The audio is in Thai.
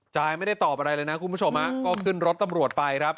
จายไม่ได้ตอบอะไรเลยนะคุณผู้ชมฮะก็ขึ้นรถตำรวจไปครับ